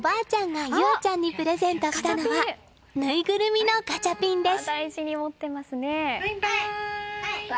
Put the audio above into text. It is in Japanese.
がゆあちゃんにプレゼントしたのはぬいぐるみのガチャピンです。